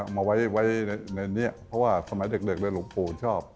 มาไว้ในนี้เพราะว่าสมัยเด็กเลยหลวงปู่ชอบ